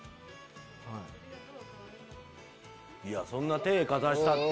そんな手かざしたって。